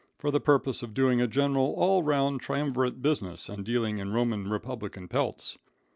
for the purpose of doing a general, all round triumvirate business and dealing in Roman republican pelts.